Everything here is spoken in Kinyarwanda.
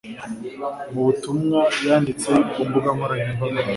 mu butumwa yanditse ku mbuga nkoranyambaga